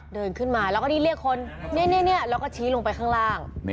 เดินขึ้นมาแล้วก็รีบเรียกคนแล้วก็ชี้ลงไปข้างล่าง